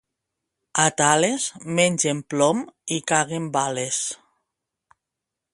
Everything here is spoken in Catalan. A Tales mengen plom i caguen bales.